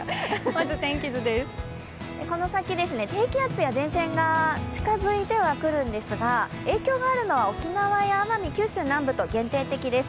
この先、低気圧や前線が近づいては来るんですが影響があるのが沖縄や、奄美、九州南部と限定的です。